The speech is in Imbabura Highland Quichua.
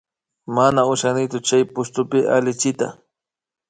Mana ushanichu chay DOCSpi allichiyta